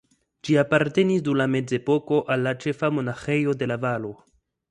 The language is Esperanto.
Ĝi apartenis dum la Mezepoko al la ĉefa monaĥejo de la valo.